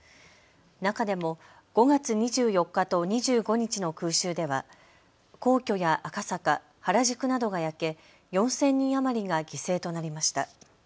中でも５月２４日と２５日の空襲では皇居や赤坂、原宿などが焼け４０００人余りが犠牲となりました。